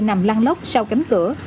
nằm lăn lóc sau cánh cửa